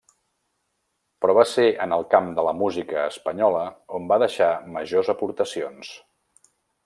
Però va ser en el camp de la música espanyola on va deixar majors aportacions.